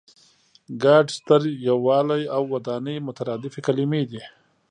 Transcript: ګډ، ستر، یووالی او ودانۍ مترادفې کلمې دي.